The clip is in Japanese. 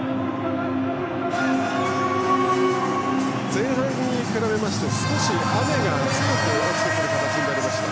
前半に比べまして少し雨が強く降ってくる形になりました。